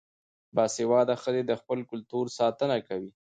باسواده ښځې د خپل کلتور ساتنه کوي.